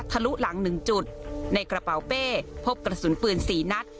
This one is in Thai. ลุหลัง๑จุดในกระเป๋าเป้พบกระสุนปืน๔นัด